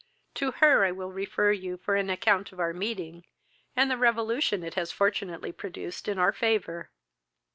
To her I will refer you for an account of our meeting, and the revolution it has fortunately produced in our favour.